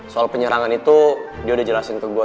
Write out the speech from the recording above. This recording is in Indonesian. soal penyerangan itu dia udah jelasin ke gue